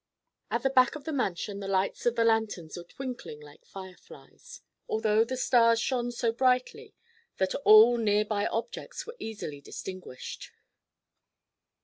At the back of the mansion the lights of the lanterns were twinkling like fireflies, although the stars shone so brilliantly that all near by objects were easily distinguished.